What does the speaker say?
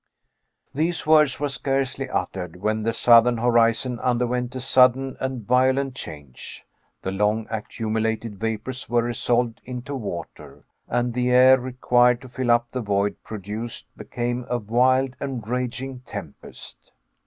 These words were scarcely uttered when the southern horizon underwent a sudden and violent change. The long accumulated vapors were resolved into water, and the air required to fill up the void produced became a wild and raging tempest.